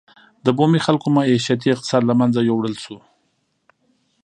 د بومي خلکو معیشتي اقتصاد له منځه یووړل شو.